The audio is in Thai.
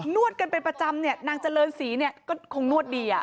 นวดกันเป็นประจำนางเจริญศรีก็คงนวดดี